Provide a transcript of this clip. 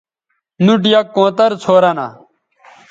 نُوٹ یک کونتر څھورہ نہ